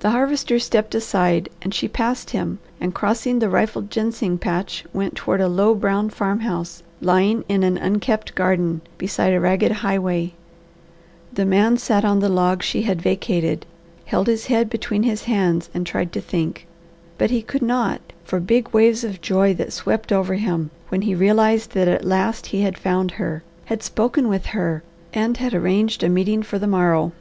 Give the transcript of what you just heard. The Harvester stepped aside and she passed him and crossing the rifled ginseng patch went toward a low brown farmhouse lying in an unkept garden, beside a ragged highway. The man sat on the log she had vacated, held his head between his hands and tried to think, but he could not for big waves of joy that swept over him when he realized that at last he had found her, had spoken with her, and had arranged a meeting for the morrow.